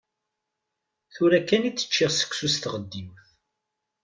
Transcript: Tura kan i d-ččiɣ seksu s tɣeddiwt.